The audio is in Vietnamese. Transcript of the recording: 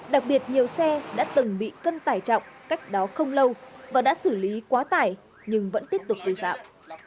đặc biệt nhiều xe đã từng bị cân tải trọng cách đó không lâu và đã xử lý quá tải nhưng vẫn tiếp tục vi phạm